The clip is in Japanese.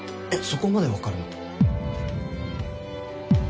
そこまで分かるの？